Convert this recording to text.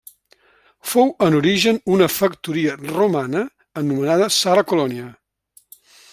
Fou en origen una factoria romana anomenada Sala Colònia.